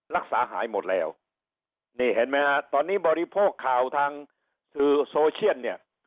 รักษาหายหมดแล้วนี่เห็นไหมฮะตอนนี้บริโภคข่าวทางสื่อโซเชียลเนี่ย